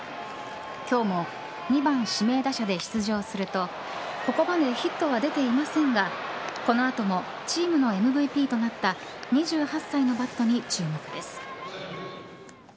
今日も２番指名打者で出場するとここまでヒットは出ていませんがこの後もチームのＭＶＰとなった２８歳のバットに注目です。